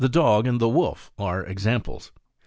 dog and the wolf, are examples.